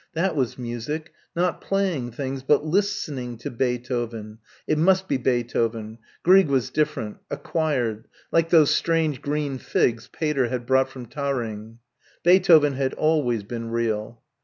That was music ... not playing things, but listening to Beethoven.... It must be Beethoven ... Grieg was different ... acquired ... like those strange green figs Pater had brought from Tarring ... Beethoven had always been real.